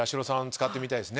使ってみたいです。